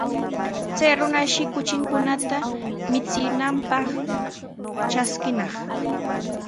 Chay runashi kuchinkunata michinanpaq traskinaq.